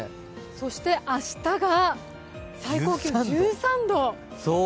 そして明日が最高気温１３度。